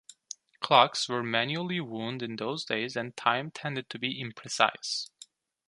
Clocks were manually wound in those days and time tended to be imprecise.